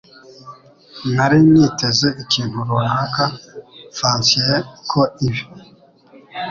Nari niteze ikintu runaka fancier ko ibi.